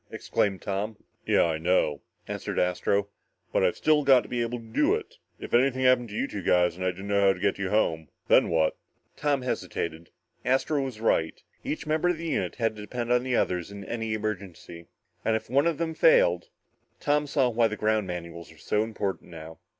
exclaimed Tom. "Yeah I know," answered Astro, "but I've still got to be able to do it. If anything happened to you two guys and I didn't know how to get you home, then what?" Tom hesitated. Astro was right. Each member of the unit had to depend on the other in any emergency. And if one of them failed...? Tom saw why the ground manuals were so important now.